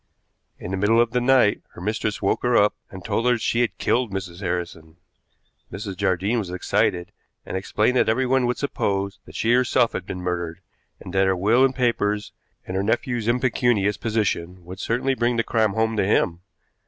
In the middle of the night her mistress woke her up, and told her that she had killed Mrs. Harrison. Mrs. Jardine was excited, and explained that everyone would suppose that she herself had been murdered, and that her will and papers, and her nephew's impecunious position, would certainly bring the crime home to him.